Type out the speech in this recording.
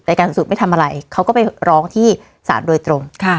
การสูงสุดไม่ทำอะไรเขาก็ไปร้องที่ศาลโดยตรง